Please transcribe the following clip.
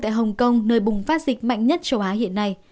tại hồng kông nơi bùng phát dịch mạnh nhất châu á hiện nay